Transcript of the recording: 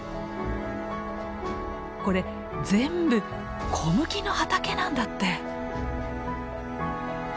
これ全部小麦の畑なんだって！